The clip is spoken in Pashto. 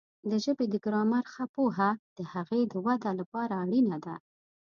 د ژبې د ګرامر ښه پوهه د هغې د وده لپاره اړینه ده.